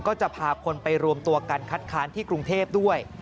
ก็จะพาคนไปรวมตัวกันคัดค้านที่กรุงเทพด้วย